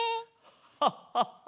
ハッハッハ！